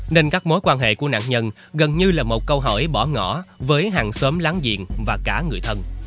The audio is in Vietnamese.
nên các mối quan hệ của nạn nhân gần như là một câu hỏi bỏ ngỏ với hàng xóm láng giềng và cả người thân